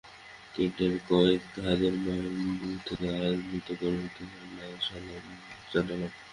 কেন্টের কয়েক হাজার মাইল দূর থেকে আমরা মৃত কমরেডদের লাল সালাম জানালাম।